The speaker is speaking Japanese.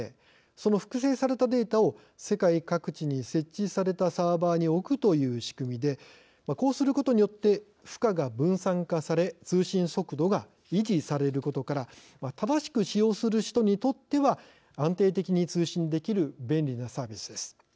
その複製されたデータを世界各地に設置されたサーバーに置くという仕組みでこうすることによって負荷が分散化され通信速度が維持されることから正しく使用する人にとっては安定的に通信できる便利なサービスです。